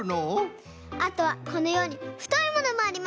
あとはこのようにふといものもあります。